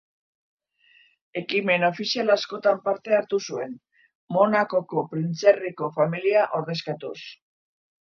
Ekimen ofizial askotan parte hartu zuen, Monakoko printzerriko familia ordezkatuz.